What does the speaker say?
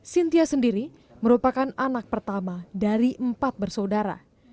sintia sendiri merupakan anak pertama dari empat bersaudara